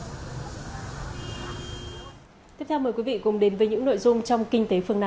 tiếp theo mời quý vị cùng đến với những nội dung trong kinh tế phương nam